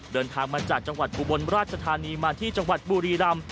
เดินทางมาจากจังหวัดอุบลราชธานีมาที่จังหวัดบุรีรำ